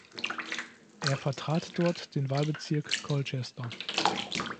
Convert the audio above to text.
Er vertrat dort den Wahlbezirk Colchester.